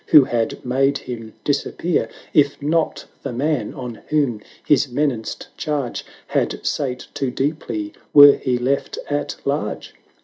who had made him dis appear, If not the man on whom his menaced charge 780 Had sate too deeply were he left at large